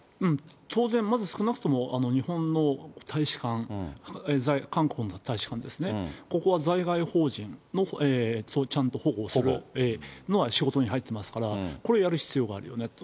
当然、まず少なくとも日本の大使館、韓国の大使館ですね、ここは在外邦人のちゃんと保護するのは仕事に入ってますから、これ、やる必要があるよねと。